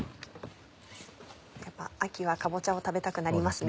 やっぱ秋はかぼちゃを食べたくなりますね。